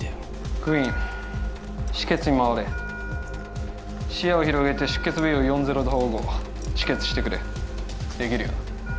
クイーン止血にまわれ視野を広げて出血部位を４−０で縫合止血してくれできるよな？